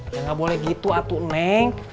ya gak boleh gitu atu eneng